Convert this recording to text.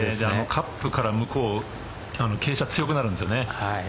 カップから向こう傾斜が強くなるんですよ。